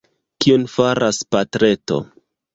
Kion faras patreto?